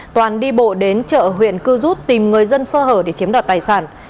toàn đi bộ đến chợ huyện cư rút tìm người dân sơ hở để chiếm đoạt tài sản